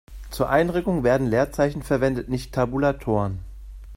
Zur Einrückung werden Leerzeichen verwendet, nicht Tabulatoren.